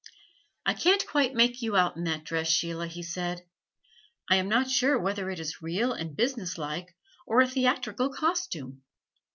"I can't quite make you out in that dress, Sheila," he said. "I am not sure whether it is real and business like or a theatrical costume.